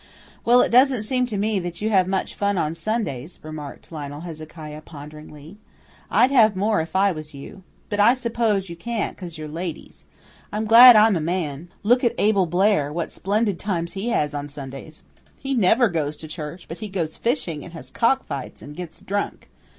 "Well, it doesn't seem to me that you have much fun on Sundays," remarked Lionel Hezekiah ponderingly. "I'd have more if I was you. But I s'pose you can't 'cause you're ladies. I'm glad I'm a man. Look at Abel Blair, what splendid times he has on Sundays. He never goes to church, but he goes fishing, and has cock fights, and gets drunk.